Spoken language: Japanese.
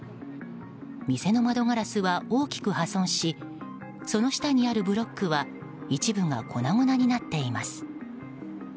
店の窓ガラスは大きく破損しその下にあるブロックは一部が粉々になっています。